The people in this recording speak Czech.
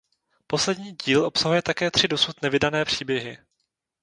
Poslední díl obsahuje také tři dosud nevydané příběhy.